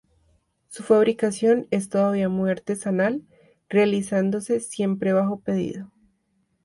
Su fabricación es todavía muy artesanal realizándose siempre bajo pedido.